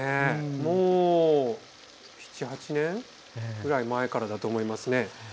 もう７８年ぐらい前からだと思いますね。